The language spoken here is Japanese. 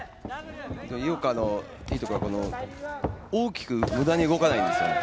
井岡のいいところは大きく無駄に動かないんですよね。